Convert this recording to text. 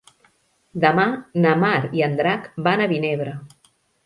Demà na Mar i en Drac van a Vinebre.